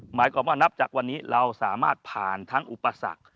หมายความว่านับจากวันนี้เราสามารถผ่านทั้งอุปสรรค